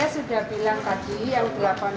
saya sudah bilang tadi yang ke delapan belas sudah pulang